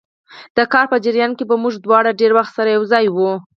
د کار په جریان کې به موږ دواړه ډېر وخت سره یو ځای وو.